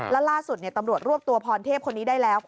แล้วล่าสุดตำรวจรวบตัวพรเทพคนนี้ได้แล้ว